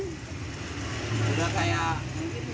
sudah kayak orang tua sendiri